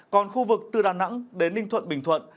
còn khu vực từ đà nẵng đến ninh thuận bình thuận